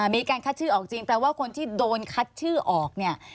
มีการคัดชื่อออกจริงแปลว่าคนที่โดนคัดชื่อออกเนี่ย